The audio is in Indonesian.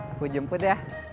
aku jemput ya